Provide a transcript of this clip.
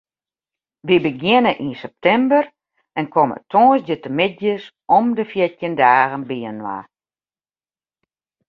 Wy begjinne yn septimber en komme tongersdeitemiddeis om de fjirtjin dagen byinoar.